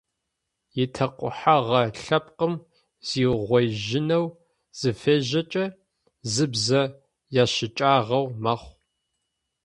Итэкъухьэгъэ лъэпкъым зиугъоижьынэу зыфежьэкӏэ зы бзэ ящыкӏагъэу мэхъу.